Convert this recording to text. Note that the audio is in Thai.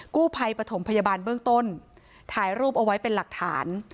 กู้ภัยปฐมพยาบาลเบื้องต้นถ่ายรูปเอาไว้เป็นหลักฐาน